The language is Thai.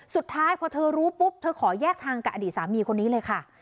สุดท้ายพอเธอรู้ปุ๊บเธอขอแยกทางกับอดีตสามีคนนี้เลยค่ะ